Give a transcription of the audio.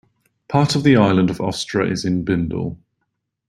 Part of the island of Austra is in Bindal.